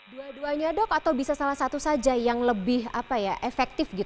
dua duanya dok atau bisa salah satu saja yang lebih efektif